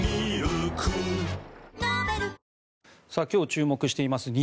今日、注目しています